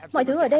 mọi người thấy đấy